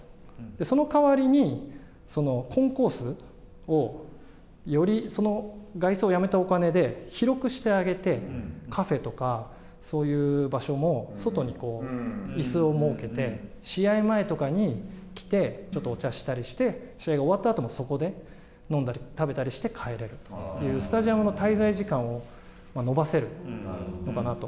そのかわりに、コンコースをより外装をやめた金で広くしてあげて、カフェとか、そういう場所も外にいすを設けて試合前とかに来てちょっとお茶したりして試合が終わったあともそこで飲んだり食べたりして帰れるというスタジアムの滞在時間を延ばせるのかなと。